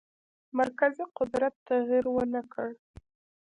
مرکزي قدرت تغییر ونه کړ.